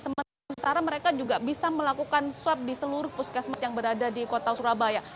sementara mereka juga bisa melakukan swab di seluruh puskesmas yang berada di kota surabaya